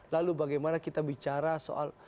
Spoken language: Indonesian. lalu bagaimana kita bicara soal